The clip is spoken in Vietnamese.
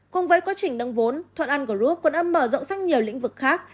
cùng với quá trình nâng vốn thuận an group còn âm mở rộng sắc nhiều lĩnh vực khác